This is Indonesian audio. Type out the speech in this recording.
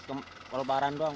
kalau lebaran doang